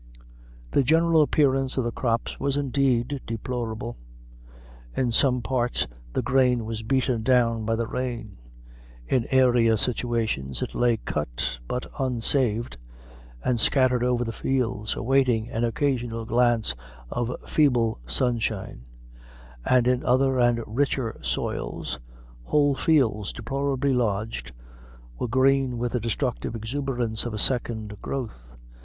The general appearance of the crops was indeed deplorable. In some parts the grain was beaten down by the rain; in airier situations it lay cut but unsaved, and scattered over the fields, awaiting an occasional glance of feeble sunshine; and in other and richer soils, whole fields, deplorably lodged, were green with the destructive exuberance of a second growth.